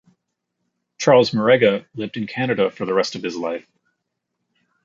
Charles Marega lived in Canada for the rest of his life.